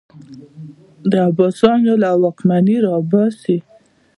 د عباسیانو له واکمني راوباسي